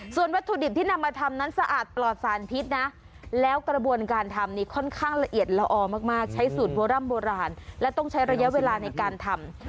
ส่วนวัตถุดิบที่นำมาทำนั้นสะอาดปลอดสารพิษนะแล้วกระบวนการทำนี่ค่อนข้างละเอียดละออมากใช้สูตรโบร่ำโบราณและต้องใช้ระยะเวลาในการทำ